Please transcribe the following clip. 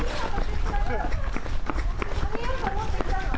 あげようと思ってきたの。